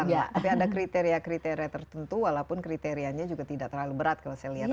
tapi ada kriteria kriteria tertentu walaupun kriterianya juga tidak terlalu berat kalau saya lihat